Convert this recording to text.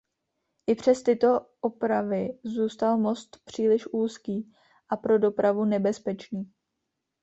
I přes tyto opravy zůstal most příliš úzký a pro dopravu nebezpečný.